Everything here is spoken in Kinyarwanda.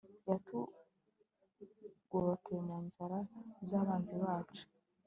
yatugobotoye mu nzara z'abanzi bacu